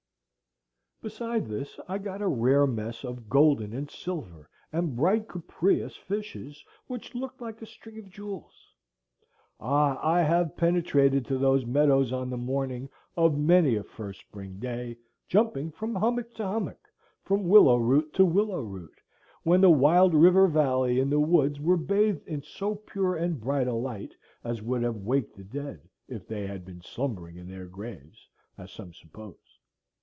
Beside this I got a rare mess of golden and silver and bright cupreous fishes, which looked like a string of jewels. Ah! I have penetrated to those meadows on the morning of many a first spring day, jumping from hummock to hummock, from willow root to willow root, when the wild river valley and the woods were bathed in so pure and bright a light as would have waked the dead, if they had been slumbering in their graves, as some suppose.